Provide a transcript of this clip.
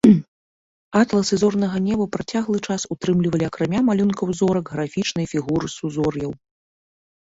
Атласы зорнага неба працяглы час ўтрымлівалі акрамя малюнкаў зорак графічныя фігуры сузор'яў.